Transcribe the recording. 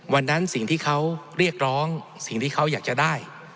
วันนั้นสิ่งที่เขาเรียกร้องสิ่งที่เขาอยากจะได้